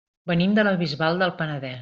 Venim de la Bisbal del Penedès.